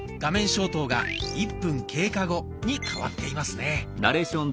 消灯が「１分経過後」に変わっていますね。